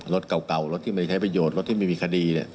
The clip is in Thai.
รถเก่ารถที่ไม่ใช้ประโยชน์รถที่ไม่มีคดี